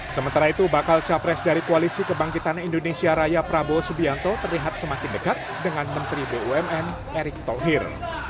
sementara itu bakal capres dari koalisi kebangkitan indonesia raya prabowo subianto terlihat semakin dekat dengan menteri bumn erick thohir